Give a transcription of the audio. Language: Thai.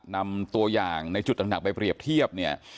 นำตัวอย่างในจุดหนักไปเปรียบเทียบ